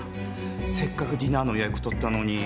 せっかくディナーの予約取ったのに。